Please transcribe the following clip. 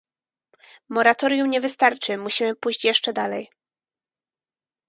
Moratorium nie wystarczy - musimy pójść jeszcze dalej